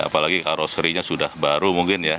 apalagi karuseri nya sudah baru mungkin ya